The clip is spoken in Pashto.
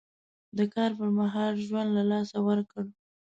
د کار پر مهال ژوند له لاسه ورکړ.